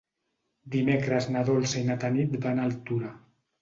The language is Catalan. Dimecres na Dolça i na Tanit van a Altura.